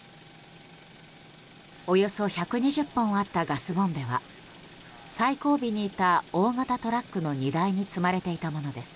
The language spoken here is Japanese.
およそ１２０本あったガスボンベは最後尾にいた大型トラックの荷台に積まれていたものです。